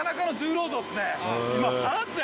今。